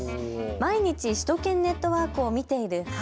毎日、首都圏ネットワークを見ている母。